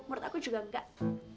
menurut aku juga enggak